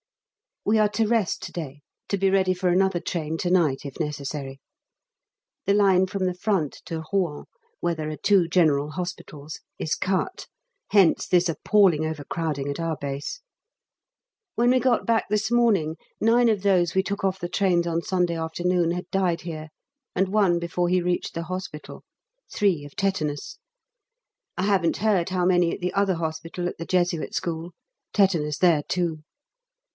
We are to rest to day, to be ready for another train to night if necessary. The line from the front to Rouen where there are two General Hospitals is cut; hence this appalling over crowding at our base. When we got back this morning, nine of those we took off the trains on Sunday afternoon had died here, and one before he reached the hospital three of tetanus. I haven't heard how many at the other hospital at the Jesuit school tetanus there too.